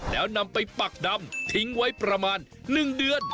แล้วนำไปปักดำทิ้งไว้ประมาณ๑เดือน